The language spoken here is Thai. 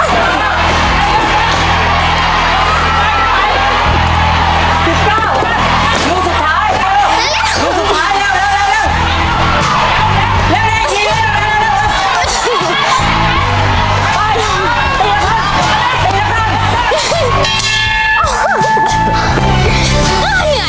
เหนื่อย